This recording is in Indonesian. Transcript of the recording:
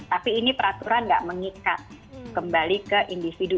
tapi ini peraturan nggak mengikat kembali ke individu